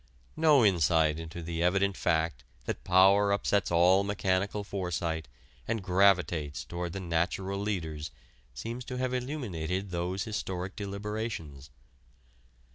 No insight into the evident fact that power upsets all mechanical foresight and gravitates toward the natural leaders seems to have illuminated those historic deliberations.